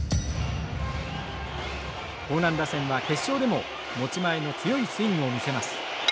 興南打線は決勝でも持ち前の強いスイングを見せます。